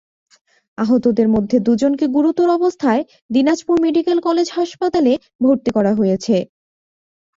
আহতদের মধ্যে দুজনকে গুরুতর অবস্থায় দিনাজপুর মেডিকেল কলেজ হাসপাতালে ভর্তি করা হয়েছে।